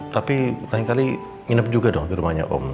tapi lain kali nginep juga dong di rumahnya om